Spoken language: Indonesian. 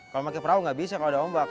kalau pakai perahu nggak bisa kalau ada ombak